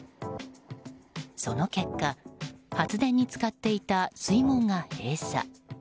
その結果、発電に使っていた水門が閉鎖。